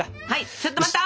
ちょっと待った！